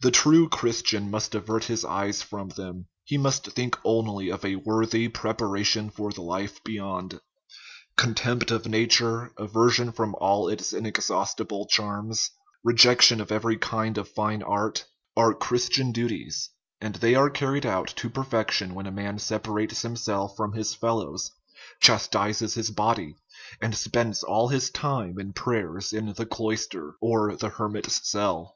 The true Christian must avert his eyes from them; he must think only of a worthy preparation for the life beyond. Contempt of nature, aversion from all its inexhaustible charms, rejection of every kind of fine art, are Christian duties; and they are carried out to perfection when a man sepa rates himself from his fellows, chastises his body, and spends all his time in prayer in the cloister or the her mit's cell.